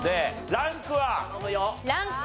ランク２。